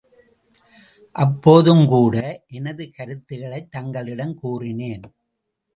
அப்போதும் கூட எனது கருத்துக்களைத் தங்களிடம் கூறினேன்.